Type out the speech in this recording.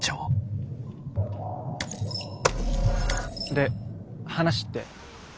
で話って？